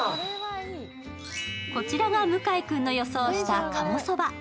こちらが向井君が予想した鴨そば。